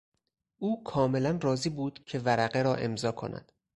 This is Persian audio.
او کاملا راضی بود که ورقه را امضا کند.